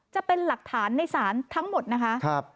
จะเป็นหลักฐานในศาลทั้งหมดนะคะ